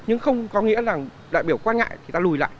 nhưng không có nghĩa là đại biểu quan ngại thì ta lùi lại